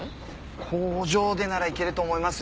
工場でならいけると思いますよ。